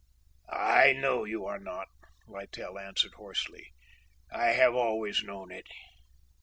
"I know you are not," Littell answered hoarsely; "I have always known it."